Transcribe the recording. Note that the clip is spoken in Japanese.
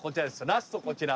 ラストこちら。